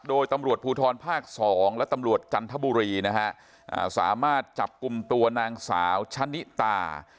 โดยตำรวจภูทรภาค๒และตำรวจจันทบุรีนะฮะสามารถจับกลุ่มตัวนางสาวชะนิตา